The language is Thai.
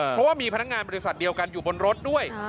เพราะว่ามีพนักงานบริษัทเดียวกันอยู่บนรถด้วย